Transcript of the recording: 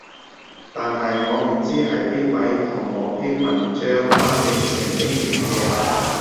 但係我唔知係邊位同我篇文章翻譯成英語嘅